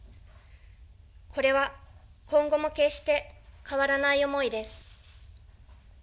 これは、今後も決して変わらない思いです。